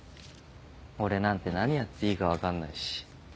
俺なんて何やっていいか分かんないし。